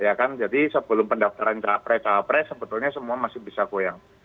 ya kan jadi sebelum pendaftaran capres capres sebetulnya semua masih bisa goyang